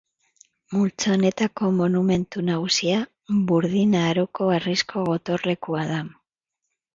Multzo honetako monumentu nagusia Burdin Aroko harrizko gotorlekua da.